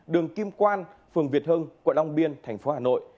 đường kim quan phường việt hưng quận long biên thành phố hà nội